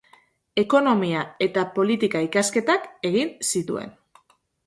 Ekonomia- eta politika-ikasketak egin zituen.